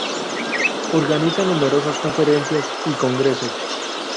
Organiza numerosas conferencias y congresos.